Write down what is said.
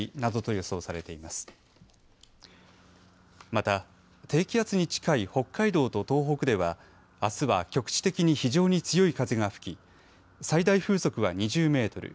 また、低気圧に近い北海道と東北ではあすは局地的に非常に強い風が吹き最大風速は２０メートル